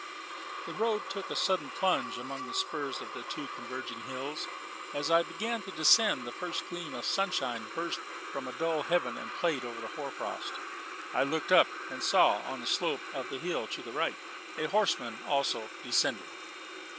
The road took a sudden plunge among the spurs of two converging hills. As I began to descend, the first gleam of sunshine burst from the dull heaven and played over the hoar frost. I looked up, and saw, on the slope of the hill to the right, a horseman also descending.